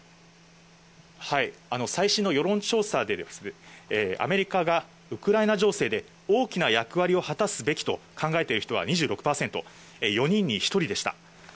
最新の世論調査で、アメリカがウクライナ情勢で、大きな役割を果たすべきと考えている人は２６％、４人に１人でした。